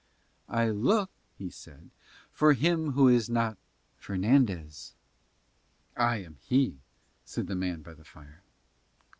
"I look," he said, "for him who is not Fernandez." "I am he," said the man by the fire.